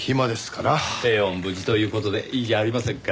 平穏無事という事でいいじゃありませんか。